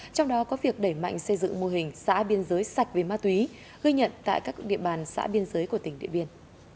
trong đó có việc đẩy mạnh xây dựng mô hình xã biên giới sạch về ma túy ghi nhận tại các địa bàn xã biên giới của tỉnh điện biên